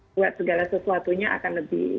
buat segala sesuatunya akan lebih